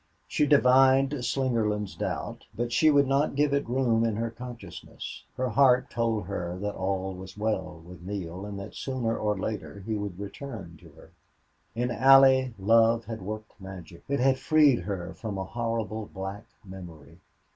She divined Slingerland's doubt, but she would not give it room in her consciousness. Her heart told her that all was well with Neale, and that sooner or later he would return to her. In Allie love had worked magic. It had freed her from a horrible black memory.